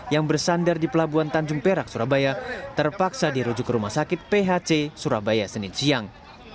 yang bersandar di pelabuhan tanjung perak surabaya terpaksa dirujuk ke rumah sakit phc surabaya senin siang